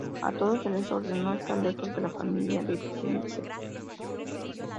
A todos se les ordenó estar lejos de la familia de Prince.